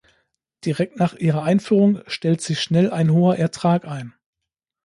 Direkt nach ihrer Einführung stellt sich schnell ein hoher Ertrag ein.